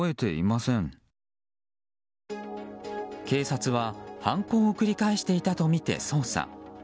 警察は犯行を繰り返していたとみて捜査。